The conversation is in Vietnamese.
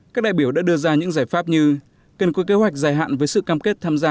các đại biểu đã đưa ra những giải pháp như cần có kế hoạch dài hạn với sự cam kết tham gia